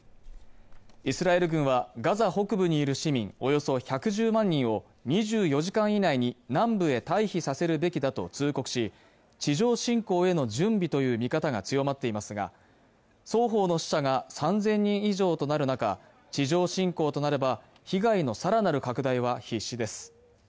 イスラエル軍はガザ北部にいる市民およそ１１０万人を２４時間以内に南部へ退避させるべきだと通告し、地上侵攻への準備という見方が強まっていますが、双方の死者が３０００人以上となる中、地上侵攻となれば被害の更なる拡大は必至です。